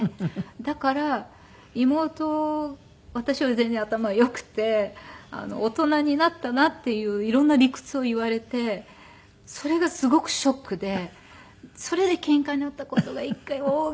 だから妹私より全然頭良くて大人になったなっていう色んな理屈を言われてそれがすごくショックでそれでケンカになった事が一回大ゲンカした事が。